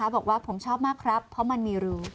บอกว่าผมชอบมากครับเพราะมันมีรู